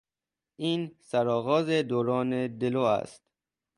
این سرآغاز دوران دلو است.